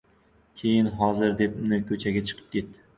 Keyin «hozir» deb ko‘chaga chiqib ketdi.